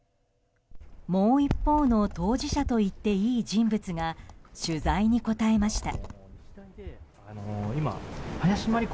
もう一方の当事者といっていい人物が取材に答えました。